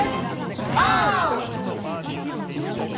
オー！